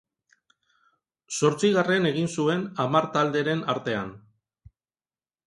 Zortzigarren egin zuen hamar talderen artean.